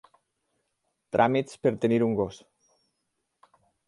Tràmits per tenir un gos.